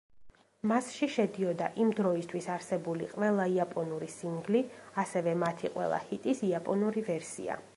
მასში შედიოდა იმ დროისთვის არსებული ყველა იაპონური სინგლი, ასევე მათი ყველა ჰიტის იაპონური ვერსია.